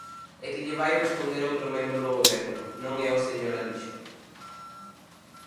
É que lle vai responder outro membro do goberno, non é o señor Alixo.